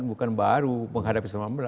bukan baru menghadapi sembilan belas